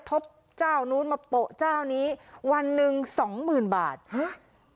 บเจ้านู้นมาโปะเจ้านี้วันหนึ่งสองหมื่นบาทฮะ